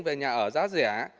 về nhà ở giá rẻ